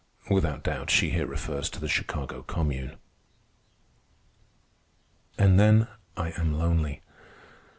Without doubt she here refers to the Chicago Commune. And then I am lonely.